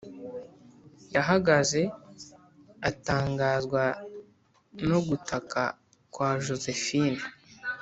yahagaze atangazwa no gutaka kwa josephine;